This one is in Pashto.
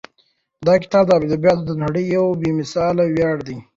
دا کتاب د ادبیاتو د نړۍ یو بې مثاله ویاړ دی.